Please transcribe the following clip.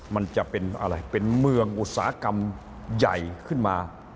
มันจะเป็นเมืองอุตสาหกรรมใหญ่ขึ้นมา